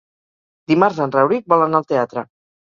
Dimarts en Rauric vol anar al teatre.